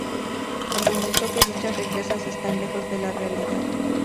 Argumentó que dichas riquezas están "lejos de la realidad".